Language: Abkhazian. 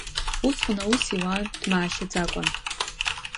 Усҟан аус иуан дмаашьаӡакәан.